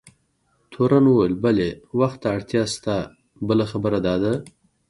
تورن وویل: بلي، وخت ته اړتیا شته، بله خبره دا ده.